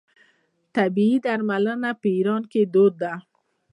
طبیعي درملنه په ایران کې دود ده.